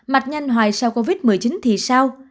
mạch nhanh hoài sau covid một mươi chín thì sao